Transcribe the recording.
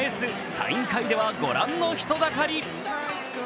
サイン会ではご覧の人だかり。